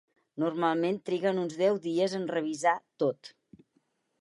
Normalment triguen uns deu dies en revisar tot.